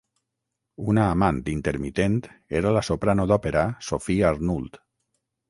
Una amant intermitent era la soprano d'òpera Sophie Arnould.